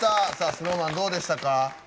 ＳｎｏｗＭａｎどうでしたか？